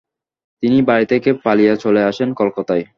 তিনি বাড়ি থেকে পালিয়ে চলে আসেন কলকাতায়।